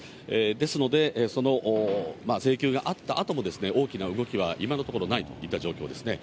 ですので、その請求があったあとも、大きな動きは今のところないといった状況ですね。